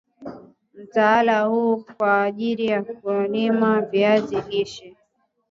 mtaala huu ni kwa ajili ya wakulima wa viazi lishe